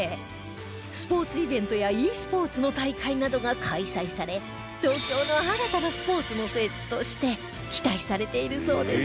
スポーツイベントや ｅ スポーツの大会などが開催され東京の新たなスポーツの聖地として期待されているそうです